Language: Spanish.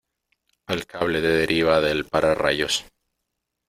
al cable de deriva del para -- rayos ,